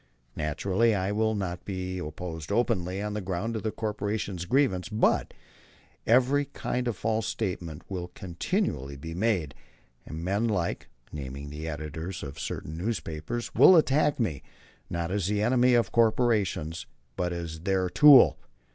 Naturally I will not be opposed openly on the ground of the corporations' grievance; but every kind of false statement will continually be made, and men like [naming the editors of certain newspapers] will attack me, not as the enemy of corporations, but as their tool!